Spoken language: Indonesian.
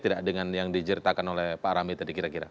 tidak dengan yang di ceritakan oleh pak rambi tadi kira kira